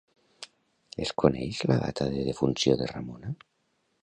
Es coneix la data de defunció de Ramona?